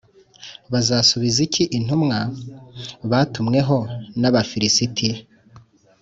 Bazasubiza iki intumwa batumweho n’Abafilisiti ?